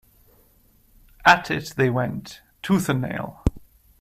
At it they went, tooth and nail.